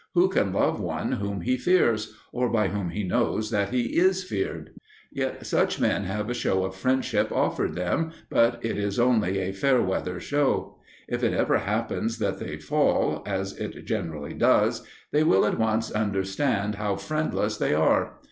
Who can love one whom he fears, or by whom he knows that he is feared? Yet such men have a show of friendship offered them, but it is only a fair weather show. If it ever happen that they fall, as it generally does, they will at once understand how friendless they are.